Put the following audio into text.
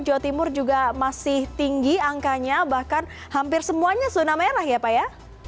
jawa timur juga masih tinggi angkanya bahkan hampir semuanya zona merah ya pak ya